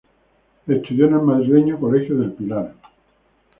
Estudió en el madrileño colegio del Pilar.